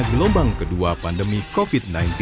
gelombang kedua pandemi covid sembilan belas